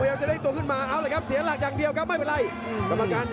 โอ้ลำเมอเทพโดนเข้าไปที่กันเชียงหนีเหมือนกัน